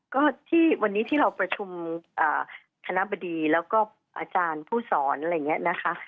ก็ที่วันนี้ที่เราประชุมคณะบดีแล้วก็อาจารย์ผู้สอนอะไรอย่างนี้นะคะ